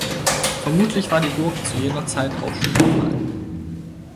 Vermutlich war die Burg zu jener Zeit auch schon verfallen.